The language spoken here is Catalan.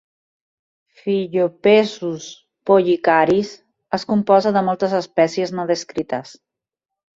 "Phyllopezus pollicaris" es composa de moltes espècies no descrites.